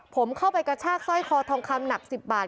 ผมเข้าไปกระชากสร้อยคอทองคำหนัก๑๐บาท